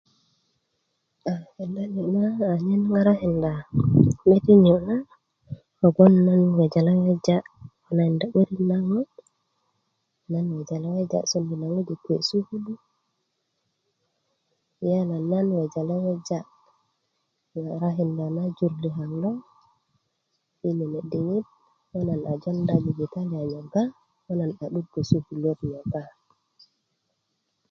a kenda niyo' na anyen ŋarakinda mede niyo' na kogboŋ nan weleweja' konakinda 'börik na ŋo' nan wejaleweja' sondu na ŋwajik kuwe' sukulu yala nan wejaleweja ŋarakinda na jur liyaŋ lo yi nene' diŋit ko nan a jonda jibitaliya nyogga ko nan a 'duggö sukuluwöt muda